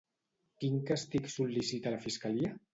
Quin càstig sol·licita la fiscalia?